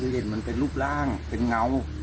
เห็นมันเป็นรูปร่างเป็นเงา